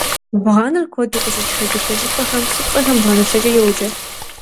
Бгъэныр куэду къыщыкӏ шэдылъэ щӏыпӏэхэм, псыпцӏэхэм бгъэнылъэкӏэ йоджэ.